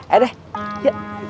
ayo deh yuk